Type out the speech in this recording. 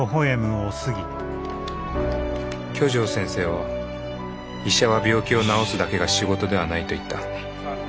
去定先生は医者は病気を治すだけが仕事ではないと言った。